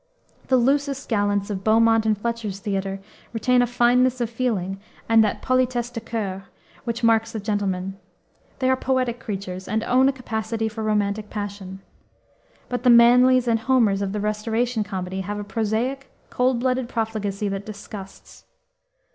The loosest gallants of Beaumont and Fletcher's theater retain a fineness of feeling and that politesse de coeur which marks the gentleman. They are poetic creatures, and own a capacity for romantic passion. But the Manlys and Homers of the Restoration comedy have a prosaic, cold blooded profligacy that disgusts.